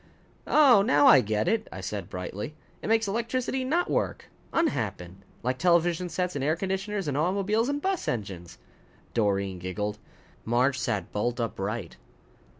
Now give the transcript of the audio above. "Oh, now I get it," I said brightly. "It makes electricity not work unhappen. Like television sets and air conditioners and automobiles and bus engines." Doreen giggled. Marge sat bolt upright.